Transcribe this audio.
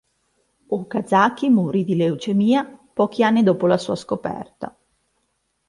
Okazaki morì di leucemia pochi anni dopo la sua scoperta.